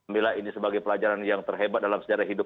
bila ini sebagai pelajaran yang terhebat dalam sejarah hidup